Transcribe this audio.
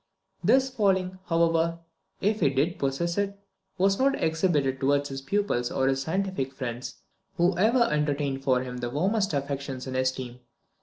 This failing, however, if he did possess it, was not exhibited towards his pupils or his scientific friends, who ever entertained for him the warmest affection and esteem.